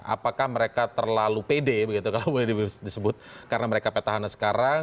apakah mereka terlalu pede begitu kalau boleh disebut karena mereka petahana sekarang